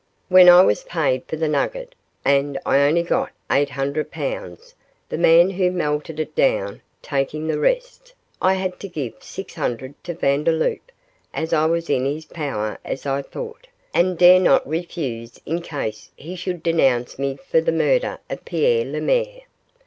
When I was paid for the nugget, and I only got eight hundred pounds, the man who melted it down taking the rest, I had to give six hundred to Vandeloup, as I was in his power as I thought, and dare not refuse in case he should denounce me for the murder of Pierre Lemaire.